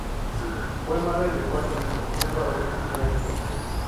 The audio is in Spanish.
Fue madre de cuatro hijos, tres varones y una niña.